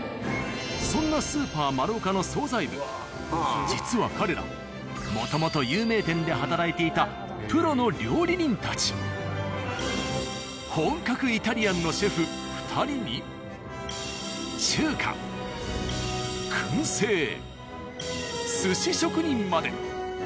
そんな「スーパーまるおか」の惣菜部実は彼らもともと有名店で働いていた本格イタリアンのシェフ２人に中華燻製寿司職人まで。